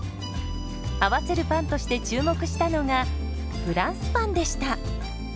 合わせるパンとして注目したのがフランスパンでした。